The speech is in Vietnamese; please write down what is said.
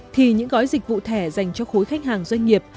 thì những gói dịch vụ thẻ dành cho khối khách hàng doanh nghiệp